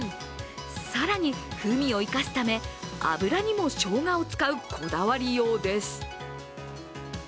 更に風味を生かすため、油にもしょうがを使うこだわりようです。